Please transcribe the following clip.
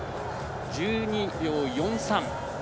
１２秒４３。